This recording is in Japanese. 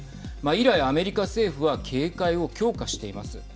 以来アメリカ政府は警戒を強化しています。